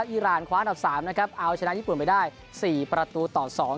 ไปแล้วอิร่านคว้าหนับ๓เอาชนะญี่ปุ่นไปได้๔ประตูต่อ๒